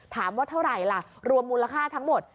ถามว่าเท่าไหร่ล่ะรวมมูลค่าทั้งหมด